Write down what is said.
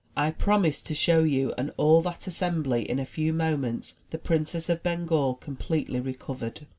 I promise to show you and all that assembly in a few moments, the Princess of Bengal completely recovered.''